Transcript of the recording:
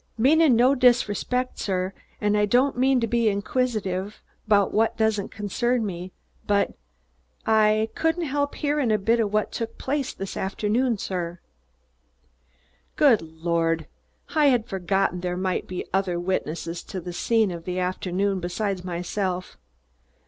"Meanin' no disrespect, sir, and I don't mean to be hinquisitive about what doesn't concern me, but I couldn't 'elp 'earin' a bit of what took place this arfternoon, sir." Good lord! I'd forgotten there might have been other witnesses to the scene of the afternoon besides myself.